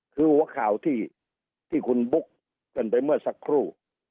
คือหัวข่าวที่คุณบุ๊กกันไปเมื่อสักครู่